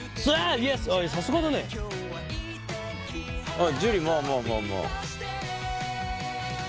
あっ樹まあまあまあまあ。